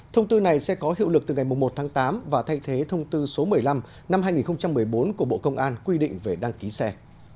thông tư này sẽ có hiệu lực từ ngày một tháng tám và thay thế thông tư số một mươi năm năm hai nghìn một mươi bốn của bộ công an quy định về đăng ký xe